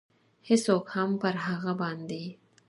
هېڅوک هم پر هغه باندې.